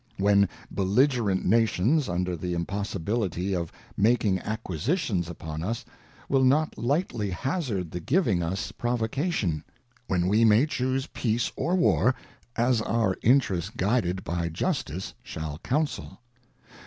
ŌĆö When belligerent nations, under the impossibility of making acquisitions upon us, will not lightly hazard the giving us a6 WASHINGTON'S FAREWELL ADDRESS provocation ; when we may choose peace or war, as our interest guided by justice shall counsel.